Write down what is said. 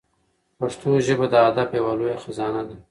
پښتو ژبه د ادب یوه لویه خزانه ده.